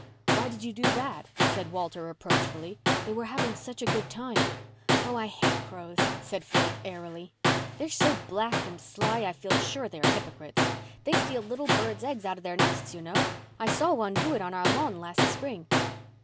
"Why did you do that?" said Walter reproachfully. "They were having such a good time." "Oh, I hate crows," said Faith airily. "The are so black and sly I feel sure they're hypocrites. They steal little birds' eggs out of their nests, you know. I saw one do it on our lawn last spring.